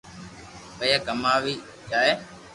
پييا ڪماوي جائي